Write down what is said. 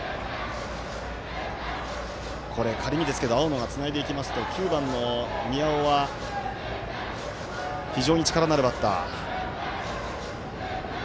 仮に、青野がつないでいきますと９番の宮尾は非常に力のあるバッター。